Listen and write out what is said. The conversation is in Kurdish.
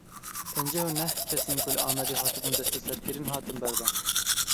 Pêncî û neh kesên ku li Amedê hatibûn desteserkirin, hatin berdan.